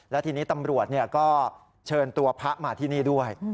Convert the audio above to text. และทีนี้ตำรวจก็เชิญตัวพระมาที่นี่ด้วย